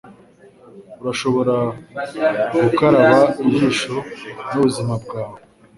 Urashobora gukaraba ijisho n'ubuzima bwawe